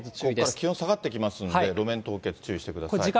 ここから気温下がってきますんで、路面凍結注意してください。